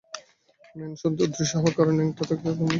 Man, অদৃশ্য হওয়ার কারণে ন্যাংটা থাকতে হবে এমন তো কোনো কথা নেই।